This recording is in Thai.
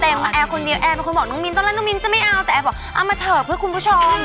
มาแอร์คนเดียวแอร์เป็นคนบอกน้องมิ้นต้องแล้วน้องมิ้นจะไม่เอาแต่แอร์บอกเอามาเถอะเพื่อคุณผู้ชม